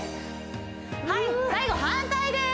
はい最後反対です